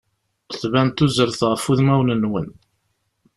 Tban tuzert ɣef udmawen-nwen.